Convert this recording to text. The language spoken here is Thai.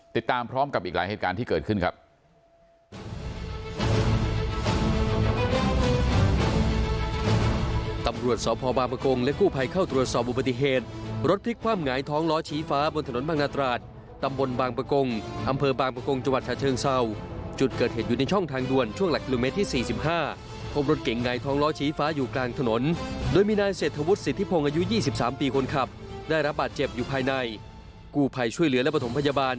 ติดตามพร้อมกับอีกหลายเหตุการณ์ที่เกิดขึ้นครับ